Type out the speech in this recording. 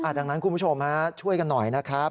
ดังนั้นคุณผู้ชมช่วยกันหน่อยนะครับ